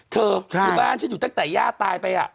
อยู่บ้านฉันอยู่ตั้งแต่ย่าตายไป